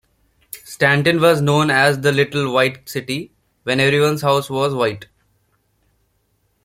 Stanton was known as the Little White City when everyone's house was white.